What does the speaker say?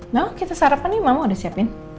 mama kita sarapan nih mama udah siapin